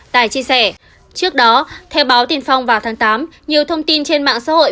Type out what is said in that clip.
tài chia sẻ trước đó theo báo tiền phong vào tháng tám nhiều thông tin trên mạng xã hội